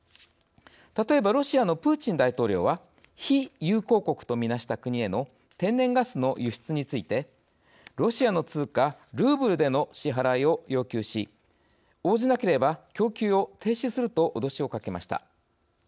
例えば、ロシアのプーチン大統領は「非友好国」とみなした国への天然ガスの輸出についてロシアの通貨ルーブルでの支払いを要求し応じなければ供給を停止すると脅しをかけました。